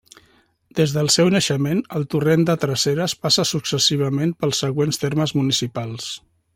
Des del seu naixement, el Torrent de Tresserres passa successivament pels següents termes municipals.